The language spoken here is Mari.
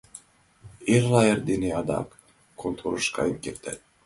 — Эрла эрдене адак конторыш каен кертат.